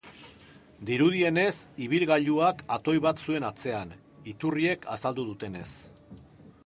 Dirudienez, ibilgailuak atoi bat zuen atzean, iturriek azaldu dutenez.